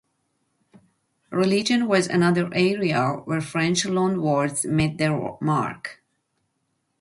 Religion was another area where French loan-words made their mark.